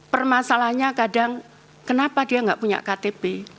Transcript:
permasalahnya kadang kenapa dia enggak punya ktp